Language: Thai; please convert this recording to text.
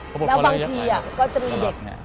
แล้วบางทีก็จะมีเด็ก